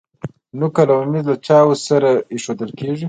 نقل او ممیز له چای سره ایښودل کیږي.